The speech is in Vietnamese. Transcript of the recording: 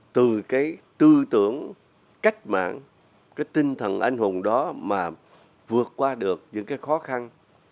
từ cái tư tưởng cách mạng cái tinh thần anh hùng đó mà vượt qua được những cái khó khăn